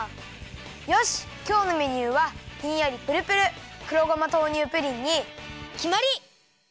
よしきょうのメニューはひんやりプルプル黒ごま豆乳プリンにきまり！